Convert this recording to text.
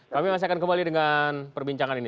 kami masih akan kembali dengan perbincangan ini